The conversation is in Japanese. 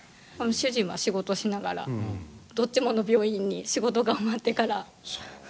主人は仕事しながらどっちもの病院に仕事が終わってから。